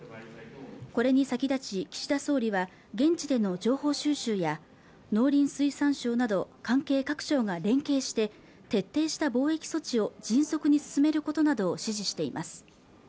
これに先立ち岸田総理は現地での情報収集や農林水産省など関係各省が連携して徹底した防疫措置を迅速に進めることなどを指示しています